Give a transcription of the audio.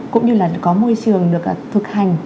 cũng như là có môi trường được thực hành